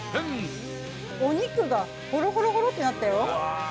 お肉がホロホロホロってなったよ。